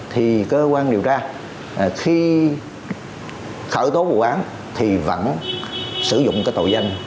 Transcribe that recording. thì cơ quan điều tra khi khởi tố vụ án thì vẫn sử dụng cái tội danh